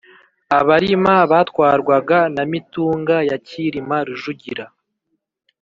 Abarima batwarwaga na Mitunga ya Cyilima Rujugira